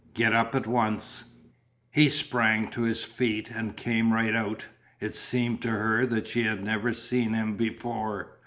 Get up at once." He sprang to his feet and came right out. It seemed to her that she had never seen him before.